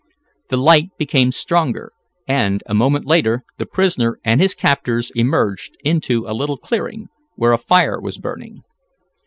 The light became stronger, and, a moment later the prisoner and his captors emerged into a little clearing, where a fire was burning.